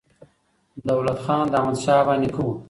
دولت خان د احمدشاه بابا نیکه و.